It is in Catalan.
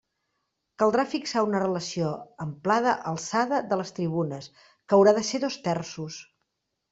Caldrà fixar una relació amplada alçada de les tribunes, que haurà de ser dos terços.